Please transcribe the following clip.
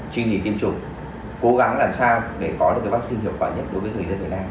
chúng ta đang cố gắng làm sao để có được cái vaccine hiệu quả nhất đối với người dân việt nam